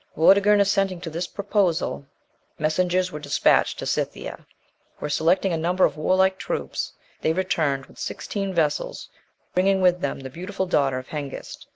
Vortigern assenting to this proposal, messengers were despatched to Scythia, where selecting a number of warlike troops, they returned with sixteen vessels, bringing with them the beautiful daughter of Hengist.